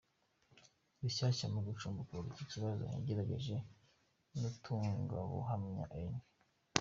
Rushyashya mu gucukumbura iki kibazo yegereye n’umutangabuhamya ,Eng.